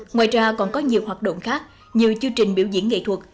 ngoài ra còn có nhiều hoạt động khác như chương trình biểu diễn nghệ thuật